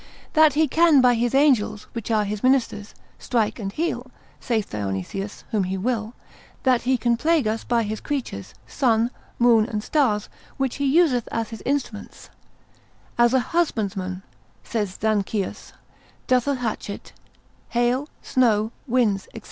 That he can by his angels, which are his ministers, strike and heal (saith Dionysius) whom he will; that he can plague us by his creatures, sun, moon, and stars, which he useth as his instruments, as a husbandman (saith Zanchius) doth a hatchet: hail, snow, winds, &c.